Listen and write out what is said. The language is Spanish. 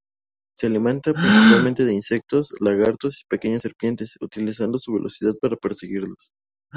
Se alimenta principalmente de insectos, lagartos y pequeñas serpientes, utilizando su velocidad para perseguirlos.